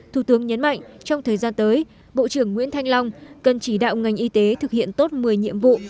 thủ tướng nhấn mạnh trong thời gian tới bộ trưởng nguyễn thanh long cần chỉ đạo ngành y tế thực hiện tốt một mươi nhiệm vụ